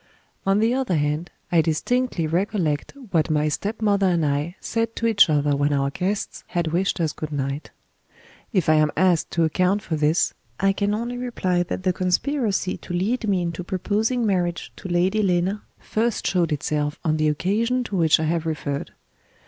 On the other hand, I distinctly recollect what my stepmother and I said to each other when our guests had wished us good night. If I am asked to account for this, I can only reply that the conspiracy to lead me into proposing marriage to Lady Lena first showed itself on the occasion to which I have referred.